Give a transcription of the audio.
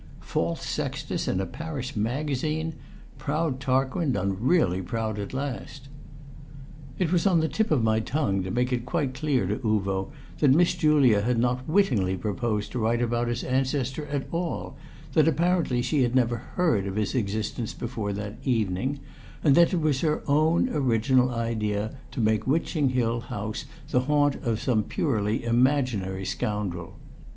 False Sextus in a parish magazine! Proud Tarquin done really proud at last!" It was on the tip of my tongue to make it quite clear to Uvo that Miss Julia had not wittingly proposed to write about his ancestor at all; that apparently she had never heard of his existence before that evening, and that it was her own original idea to make Witching Hill House the haunt of some purely imaginary scoundrel.